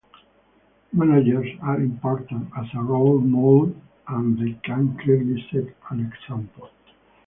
Managers are important as a role model and they can clearly set an example.